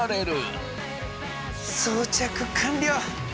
装着完了！